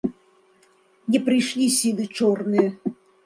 Не прыйшлі сілы чорныя.